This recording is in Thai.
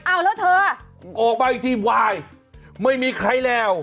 อ้าวแล้วเธออะออกไปที่วายไม่มีใครแล้ว